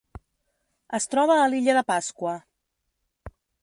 Es troba a l'Illa de Pasqua.